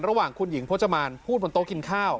ระหว่างคุณหญิงพจมานพูดบนโต๊ะกินข้าว